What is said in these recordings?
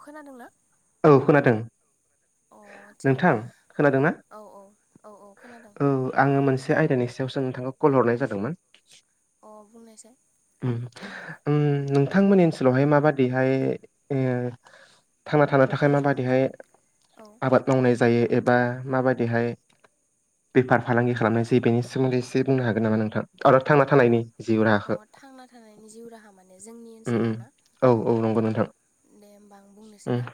खोनादों ना? औ खोनादों। अ आतसा नोंथां खोनादोंना औ औ औ औ खोनादों। औ आङो मोनसे आयदानि सायावसो नोंथांखौ कल हरनाय जादोंमोन अ बुंनायसाय उम उम नोंथांमोननि ओनसोलावहाय माबादिहाय इयो थांना थानो थाखाय उम माबादिहाय औ आबाद मावनाय जायो एबा माबादिहाय बेफार फालांगि खालामनाय जायो बेनि सोमोन्दै एसे बुंनो हागोन नामा नोंथां आरो थांना अ थानायनि जिउ अ राहाखो थांना थानायनि जिउ राहा माने जोंनि उम उम ओनसोलाव ना औ औ नंगौ अ नोंथां दे ओमबा आं उम बुंनोसैना?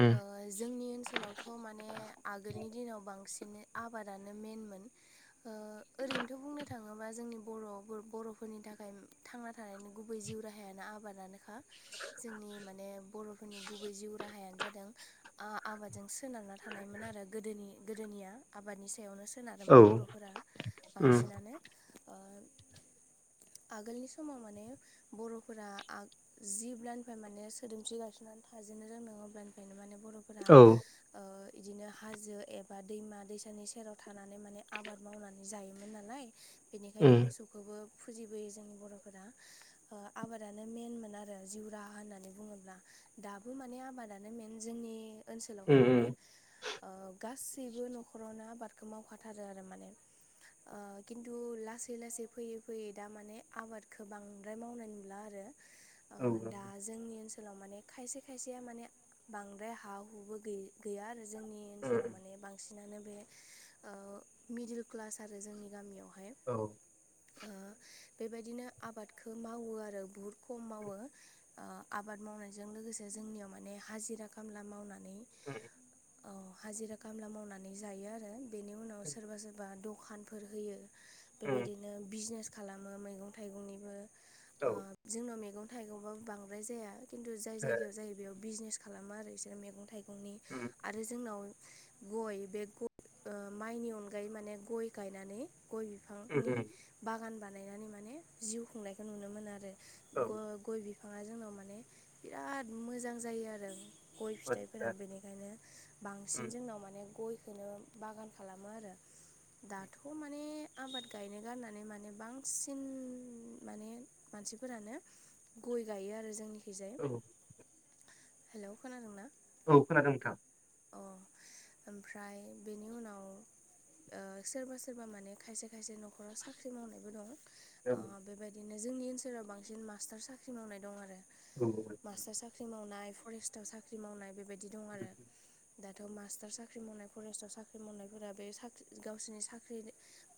उम ओ जोंनि ओनसोलावथ' माने आगोलनि दिनाव बांसिनै आबादानो मेनमोन ओ ओरैनोथ' बुंनो थाङोबा जोंनि बर' बर'फोरनि थाखाय थांना थानायनि गुबै जिउ राहायानो आबादानोखा जोंनि माने बर'फोरनि गुबै जिउ राहायानो जादों ओ आबादजों सोनारना थानायमोन आरो गोदोनि गोदोनिया आबादनि सायावनो औ सोनारोमोन बर'फोरा उम बांसिनानो ओ आगोलनि समाव माने बर'फोरा आ जेब्लानिफ्राय माने सोदोमस्रि गायसनानै थाजेननो रोंदों अब्लानिफ्रायनो माने बर'फोरा औ ओ इदिनो हाजो एबा दैमा दैसानि सेराव थानानै माने आबाद मावना जायोमोन नालाय बेनिखायनो उम मोसौखौबो फुजिबोयो जोंनि बर'फोरा ओ आबादानो मेनमोन आरो जिउ राहा होननानै बुङोब्ला दाबो माने आबादानो मेन जोंनि ओनसोलावहाय उम माने उम ओ गासैबो नखरावनो आबादखौ मावखाथारो आरो माने ओ किन तु लासै लासै फैयै फैयै दा माने आबादखो बांद्राय मावनाय नुला आरो ओ औ उम उम दा जोंनि ओनसोलाव माने खायसे खायसेया माने बांद्राय हा हुबो गै गैया आरो जोंनि ओनसोलाव माने बांसि नानो बे ओ मिडिल क्लास आरो जोंनि गामियाव औ बेबायदिनो आबादखौ मावो आरो बुहुद खम मावो। ओ आबाद मावनायजों लोगोसे जोंनियाव माने हाजिरा कामला मावनानै औ हाजिरा कामला मावनानै जायो आरो बेनि उनाव सोरबा सोरबा दखानफोर होयो। उम बेबायदिनो बिजनेस खालामो मैगं थाइगंनिबो ओ औ जोंनाव मैगं थाइगंबाबो बांद्राय जाया किन्थु जाय जायगायाव जायो बेयाव बिजनेस खालामो आरो इसोर मैगं थाइगंनि उम आरो जोंनाव गय बे माइनि अनगायै माने गय गायनानै गय उम बिफांनि बागान बानायनानै माने जिउ खुंनायखौ नुनो मोनो आरो औ ग बि फाङा जोंनाव माने बिराद मोजां जायो आरो गय फिथाइफोरा आदसा बेनिखायनो बांसिन उम जोंनाव माने गयखौनो बागान खालामो आरो दाथ' मा ने आबाद गायनो गारनानै माने बांसिन माने मानसिफोरानो गय गायो आरो जोंनिखिजाय औ हेल' खोनादोंना? औ खोनादों नोंथां अ ओमफ्राय बेनि उनाव ओ सोरबा सो रबा माने खायसे खायसे नखराव साख्रि मावनायबो दं औ ओ बेबाय दिनो जोंनि ओनसोलाव बांसिन मास्टार साख्रि मावनाय दं आरो। औ मास्टार साख्रि मावनाय फरेस्टाव साख्रि मावनाय बेबायदि दं आरो दाथ मास्टार साख्रि मावनाय फरेस्टआव साख्रि मावनायफोरा बे साख्रि गावसिनि साख्रि नि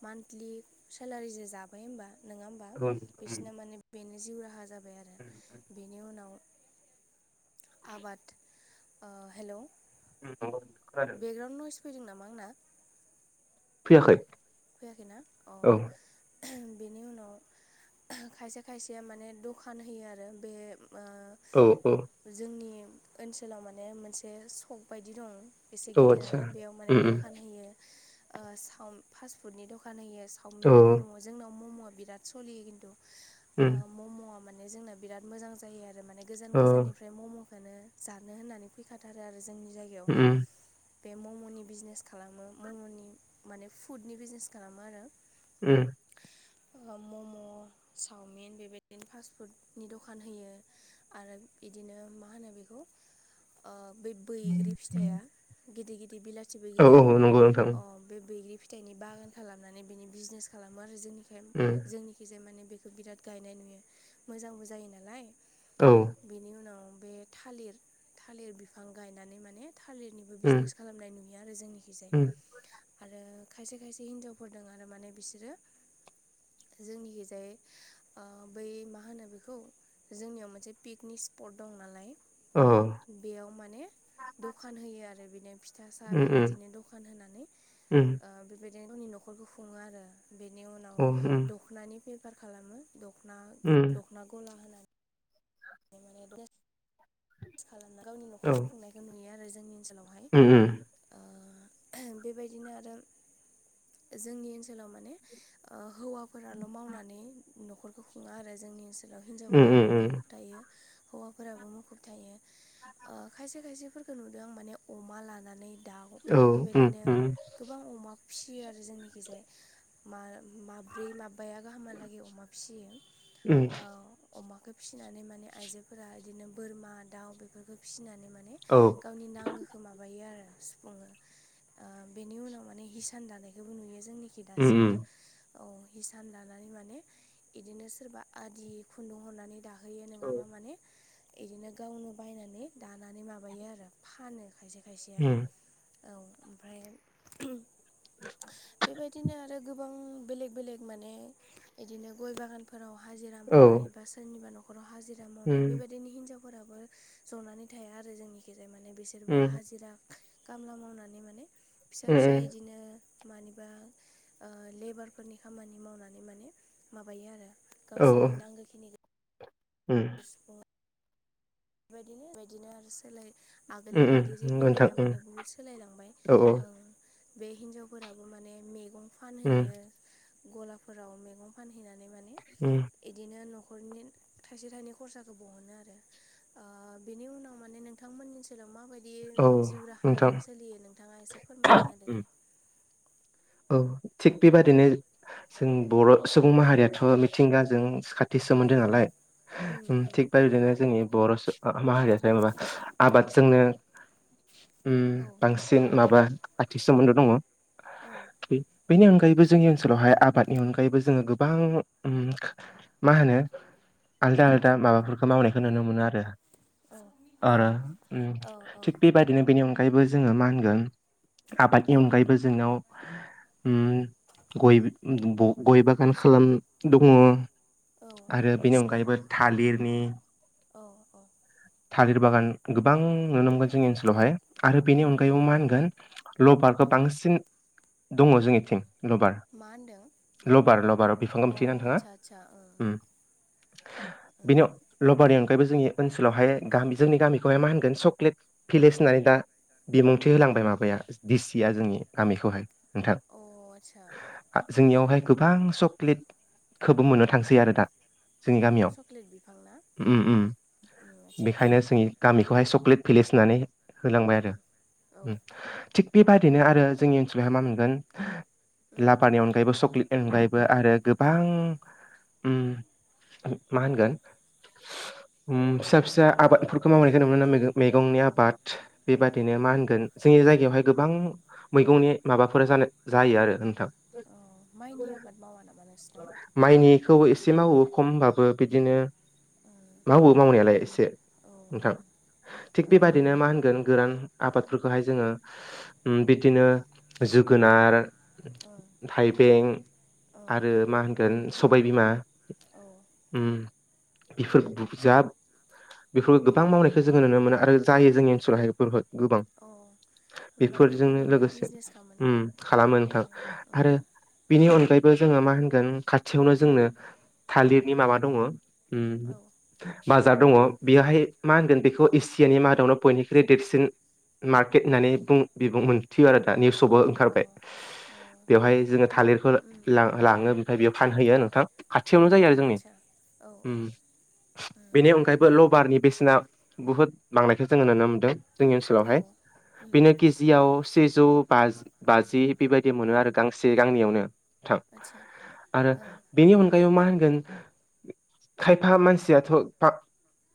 मान्थलि सेलारि जे जाबाय होमबा नङा होमबा औ बिसोरना औ माने बेनो जिउ राहा जाबाय आरो बेनि उनाव आबाद हेलौ [unintelligible] बेकगराउण्ड नयस फैदों नामा आंना फैयाखै फैयाखैना अ औ बेनि उनाव खायसे खायसेया माने दखान होयो आरो बे औ औ जोंनि ओनसोलाव माने मोनसे सक बायदि दं एसे औ आदसा गिदिरानो बेयाव माने उम उम दखान होयो ओ साव फास्ट फुडनि दखान होयो औ सावमिन मम जोंनाव ममआ बिराद सलियो खिन्थु उम ममआ माने जोंना बिराद मोजां जायो आरो माने गोजान औ गोजाननिफ्राय ओमफ्राय ममखौनो जानो होननानै फैखाथारो आरो जोंनि जायगायावहाय उम बे ममनि बिजनेस खालामो ममनि माने फुडनि बिजनेस खालामो आरो उम मम चावमिन बेबायदिनो फास्ट फुडनि दखान होयो आरो इदिनो मा होनो बेखौ बे बैग्रि फिथाइया गिदिर गिदिर बिलाथि औ बैग्रिया औ नंगौ नोंथां अ बे बैग्रि फिथा फिथाइनि बागान खालामनानै बिनि बिजनेस खालामो आरो जोंनिखाय उम जोंनिखिजाया माने बे बिराद गायनाय नुयो मोजांबो जायो नालाय औ बेनि उनाव बे थालिर थालिर बिफां गायनानै माने थालिरनिबो उम बिजनेस खालामनाय नुयो आरो जोंनिखिजाय उम आरो खायसे खायसे हिनजावफोर द आरो माने बिसोरो जोंनिखैजाय बै मा होनो बेखौ जोंनियाव मोनसे पिकनिक स्पट दं नालाय अ उम बेयाव माने दखान होयो आरो बिदि दिनो फिथा साहा उम बेबायदिनो दखान होनानै उम बेबायदिनो गावनि न'खरखौ खुङो आरो बेनि उनाव अ उम दखनानि बेफार खालामो दखना उम दखना गला होनानै बे माने खालामना गावनि औ न'खरखौ खुंनायखौ नुयो आरो जोंनि ओनसोलावहाय उम उम बेबायदिनो आरो जोंनि ओनसोलाव माने ओ हौवाफोराल‌ मावनानै न'खरखौ खुङा आरो जोंनि ओनसोलाव ओनसोलाव उम हिनजावफोराबो उम उम मुखुब थायो हौवाफोराबो मुखुब थायो खायसे खायसेफोरखौ नुदों आं माने अमा लानानै दाउ औ उम बेबायदिनो उम गोबां अमा फियो आरो जोंनि गेजेर माब्रै माबाया गाहामहालागै अमा फिसियो उम औ अमाखौ फिसिनानै माने आइजोफोरा इदिनो बोरमा दाउ बेफोरखौ फिसिनानै माने औ गावनि नांगौखौ माबायो आरो सुफुङो ओ बेनि उनाव माने हिसान दानायखौबो नुयो जोंनिखि उम दासिमबो औ औ हिसान लानानै माने इदिनो सोरबा आदि खुन्दुं हरनानै दाहो यो नङाबा माने बिदिनो गावनो बायनानै दानानै माबायो आरो फानो खायसे खायसेया उम औ ओमफ्राय बेबायदिनो आरो गोबां बेलेक बेलेक माने बिदिनो गय बागान फोराव हाजिरा मावनाय औ बा सोरनिबा न'खराव हाजिरा मावनाय उम बेबायदिनो हिनजाव फोराबो जनानै थाया आरो जोंनिखि जाया माने बिसोरबो उम हाजिरा खामला मावनानै माने फिसा उम फिसा उम इदिनो मानिबा लेबारफोरनि खामानि मावनानै माने माबायो आरो औ गावसोरनि नांगौखिनिखौ उम [inaudible] बेबायदिनो बेबायदिनो आरो सोलाय उम आगोलनि उम बायदि जेबो नंगौ नोंथां गैला उम माने बहुत सोलायलांबाय औ औ बे हिनजावफोराबो माने मैगं उम फानहैयो गलाफोराव मैगं फानहैनानै माने उम एदिनो न'खरनि थाइसे थाइनै खरसाखौ बहनो आरो बेनि उनाव माने नोंथांमोननि ओनसोलाव माबायदि औ जिउ नोंथां राहाया सोलियो नों नोंथाङा एसे फोरमायना होदो उम दे औ थिग बेबादिनो जों बर' सुबुं माहारियाथ' मिथिंगाजों खाथि औ सोमोन्दों नालाय उम उम थिग बे बिदिनो जोंनि बर' माहारिया माबा आबादजोंनो उ औ औ बांसिन माबा खाथि सोमोन्दो दङ औ बेनि अनगायैबो जोंनि ओनसोलावहाय आबादनि अनगायैबो जोङो गोबां मा होनो आलदा आलदा माबाफोरखौ मावनायखौ नुनो मोनो आरो औ आरो उम औ थिक बेबाय बिदिनो बेनि अनगायैबो जोङो मा होनगोन आबादनि औ अनगायैबो जोंनाव गय गय बागान खालाम दङ औ आरो बेनि नोंसिनाव अनगायैबो थालिरनि औ अ थालिर बागान गोबां नुनो मोनगोन जोंनि ओनसोलावहाय आरो उम बेनि उम अनगायैबो मा होनगोन लभारखौ बांसिन दङ जोंनिथिं लबार मा होनदों लबार लबार बिफांखौ अ मिथियो नोंथाङा आदसा आदसा बेनि ओं लबारि अनगायैबो जोंनि ओनसोल स्कुलावहाय जोंनि गामिखौहाय मा होनगोन चक्लेट भिलेज होननानै दा बिबुंथि होलांबाय माबाया दिसिया जोंनि गामिखौहाय नोंथां अ आतसा जोंनियावहाय गोबां चक्लेटखौबो मोननो थांसै आरो दा जोंनि ओं गामियाव चक्लेट बिफां ना उम उम ओं आदसा बेखायनो जोंनि गामिखौहाय चकलेट भिलेज होननानै होलांबाय आरो ओं औ थिग बेबायदिनो आरो जोंनि ओनसोलावहाय मा मोनगोन लाभारानि अनगायैबो चक्लेटनि अनगायैबो आरो गोबां उम मा होनगोन फिसा फिसा आबादफोरखौ मावनायखौ मोन ना मैगंनि ओं आबाद औ बेबादिनो मा होनगोन जोंनि जायगायावहाय गोबां मैगंनि माबाफोरा जानो जायो आरो नोंथां अ माइनि आबाद मावा नामा नोंसिनाव माइनिखौ एसे मावो खम होनबाबो बिदिनो उम मावो मावनायालाय एसे नोंथां थिग औ बेबायादिनो मा होनगोन गोरान आबादफोरखौहाय जोङो उम औ ओं बिदिनो जोगोनार थाइबें औ औ आरो मा होनगोन सबायबिमा बेफोर जा बेफोरखौ गोबां मावनाय जोङो नुनो मोन आरो जायो जोंनिओनसाव हाय फोरबो गोबां होमबा बेफोरजोंनो बेफोरनिनो लोगोसे बिजनेस खालामोना खालामो नोंथां आरो ओं बिनि अनगायैबो जोङो मा होनगोन खाथियावनो जोंनो थालिरनि माबा दङ ओं बाजार दङ बेवहाय मा होनगोन बेखौ एसियानि मादावनो बयनिख्रुइ देरसिन मार्केट होननानै बुं बिबुं मोनथियो आरो दा निउसावबो औ ओंखारबाय अ ओम बेवहाय जोङो थालिरफोर लाङो ओमफ्राय बेयाव फानहैयो नोंथां खाथियावनो ओम औ जायो आरो जोंनि आदसा औ ओम बेनि अनगायैबो लबारनि बेसेना बुहुद बांनायखौ जोङो नुनो मोन्दों जोंनि औ ओनसोलावहाय ओम बेनो केजियाव सेजौ बाज बाजि बेबायदि मोनो औ आरो गांसे गांनयावनो नोंथां आदसा आरो औ बेनि अनगायैबो मा होनगोन खायफा मानसि [unintelligible]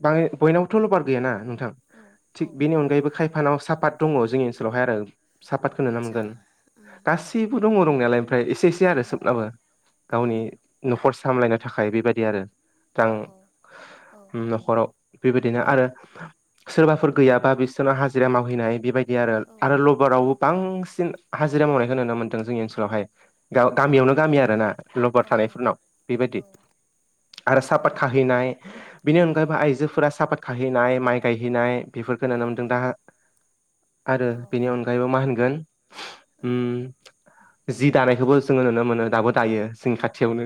बयनियावबोथ लबार गैयाना‌ औ औ नोंथां फानाव सापात दङ जोंनि ओनसोलावहाय आरो सापातखौ नुनो आदसा मोनगोन उम गसि एसेबो दङ दंनायालाय ओमफ्राय एसे एसे आरो उम सोबनाबो औ गावनि न'खर सामलायनो थाखाय बेबायदि आरो औ रां औ औ न'खराव बेबायदिनो उम आरो सोरबाफोर गैयाबा बिसोरनाव हाजिरा मावहैनाय बेबायदि आरो औ आरो लबारावबो बांसिन हाजिरा मावनायखौ नुनो मोन्दों जोंनि ओनसोलावहाय ग उम उम गामियावनो गामि आरो ना अ औ लबार थानायफोरनाव उम अ बेबायदि आरो सापात खाहैनाय बिनि अनगायैबो आइजोफोरा सापात खाहैनाय माइ गायहैनाय बेफोरखौ नुनो उम मोन्दों दा आरो उम बेनि अनगायैबो मा होनगोन अ उम अ उम जि दानायखौबो जोङो नुनो मोनो दाबो दायो जोंनि खाथि खाथियावनो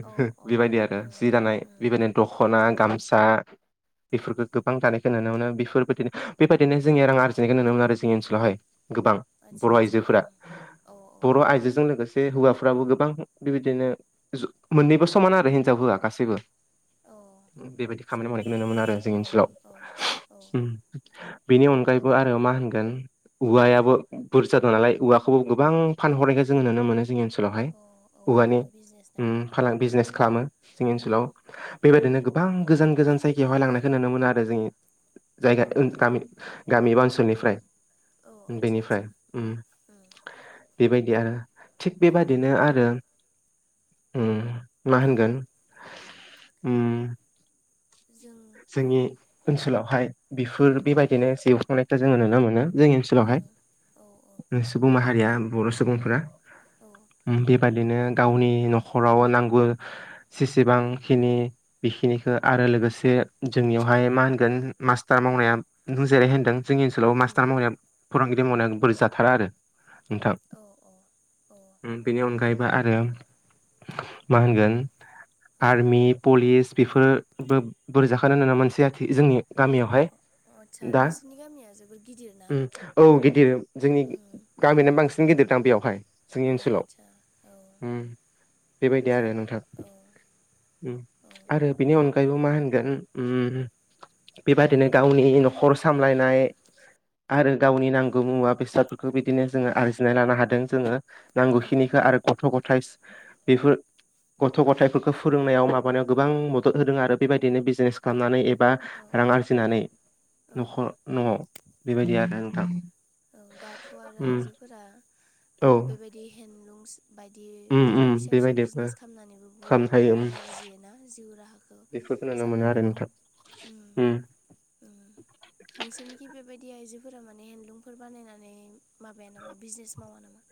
बेबायदि आरो जि दानाय उम बेबायदिनो दख'ना उम औ गामसा सा बेफोरखौ गोबां दानायखौ नुनो मोनो बेफोरबायदिनो बेबायदिनो जोंनिया रां औ आरजिनायखौ नुनो मोनो आरो जोंनि ओनसोलावहाय गोबां आदसा बर' आदसा आइजोफोरा उम औ औ बर' आइजोजों लोगोसे बे हौवाफ्राबो गोबां बेबायदिनो मोननैबो समान आरो हिनजाव हौवा गासैबो औ बेबायदि खामानि मावनायखौ समानो नुनो मोनो आरो जोंनि औ ओनसोलाव औ औ बेनि अनगायैबो आरो मा होनगोन औवायाबो बुर जादों नालाय औवाखौबो गोबां फानहरनायखौ जोङो नुनो मोनो जोंनि ओनस लावहाय अ औवानि औवानिबो बिजनेस ना फालां बिजनेस खालामो जोंनि उम ओनसोलाव उम बेबायदिनो गोबां गोजान गोजान जायगायावहाय लांनायखौ नुनो मोनो आरो जोंनि जायगा औ औ गामि गामि बा ओनसोलनिफ्राय औ आदसा आदसा बेनिफ्राय उम बेबायदि आरो थिग औ बेबादिनो आरो मा होनगोन जों अ जोंनि ओनसोलावहाय बेफोर उम बेबायदिनो जिउ खांनायखौ जोङो नुनो मोनो जोंनि ओ ओनसोलावहाय औ सुबुं माहारिया बर' सुबुंफोरा औ बेबायदिनो गावनि न'खराव नांगौ जसेबांखिनि बेखिनि आरो लोगोसे उम जोंनियावहाय मा होनगोन मास्टार मावनाया नों जिरैहाय होनदों जोंनि ओनसोलाव उम मास्टार मावनाय फोररोंगिरि मावनाया बोरै जाथारा आरो नोंथां औ औ अ बेनि अनगायैबो आरो मा होनगोन औ आर्मि पलिस बेफोरबो बोरै जाखानो होना मोनसे आथि जोंनि गामियावहाय आदसा दा नोंसोरनि गामिया जोबोर गिदिर ना औ गिदिर जोंनि उम गामिनानो बांसिन गिदिर दां बेयावहाय जोंनि औ ओनसोलाव आदसा औ बेबायदि आरो जों नोंथां औ औ ओ आरो बेनि अनगायैबो मा होनगोन औ बेबायादिनो गावनि न'खर सामलायनाय आरो गावनि नांगौ मुवा बेसादफोरखौ बिदिनो जोङो आरजिनाय लानो हादों जोङो औ नांगौखिनिखौ आरो गथ' गथाइ बेफोर गथ' गथाइफोरखौ फोरोंनायाव माबानायाव गोबां मदद होदों आरो बेबायदिनो बिजनेस खालामनानै एबा ओं रां आरजिनानै ओं न'खर न'आव बेबायदि आरो नोंथां औ दाथ' आरो उम आइजोफोरा औ बेबाय दि हेन्दलुमस बायदि उम बिदिनो उम फिसा फिसा बेबायदिबो बिजनेस खालामनानैबो खालामनो हायो बुहुत उम रां आरजियो ना जिउ राहाखौ बेफोरखौ नुनो मोनो आरो सामलायलाङो नोंथां उम उम नोंसोरनिखि बेबायदि आइजोफोरा माने हेन्दलुमफोर बानायनानै माबाया नामा बिजनेस मावा नामा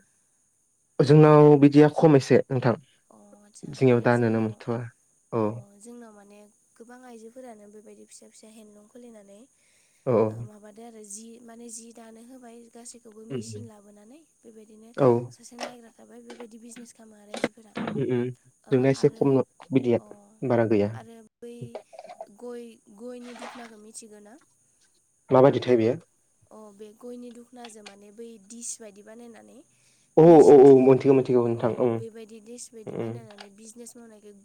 जोंनाव बिदिया खम एसे नोंथां अ आस्सा जोंनियाव माने दा नुनो जोंनाव मोनथ'वा औ अ जोंनाव माने गोबां आइजोफोरानो बेबायदि फिसा फिसा हेन्दलुम खुलिनानै औ माबा आरो माने जि दानो होबाय गासैखौबो मेचन लाबोनानै बेबायदिनो औ सासे नायग्रा थाबाय बेबायदि बिजनेस खालामो रायजोफोरा ओ जोंना एसे आरो खम बिदिया अ बारा गैया आरो बै गय गयनि दुखुनाखौ मिथिगो ना माबायदिथायो बेयो अ बे गयनि दख'नाजों माने बै दिस बायदि बानायनानै औ औ औ मेसिनजों मोनथिगौ मोनथिगौ औ नोंथां ओं बेबायदि दिस बायदि ओं बायनानै बिजनेस मावनायखौ